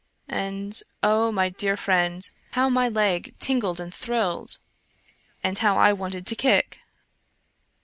And, oh, my dear friend, how my leg tingled and thrilled, and how I wanted to kick